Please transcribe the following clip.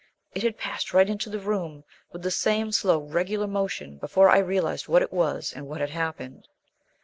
It had passed right into the room with the same slow, regular motion before I realized what it was and what had happened.